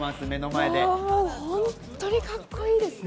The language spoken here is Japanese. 本当にカッコいいですね。